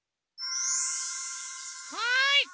はい！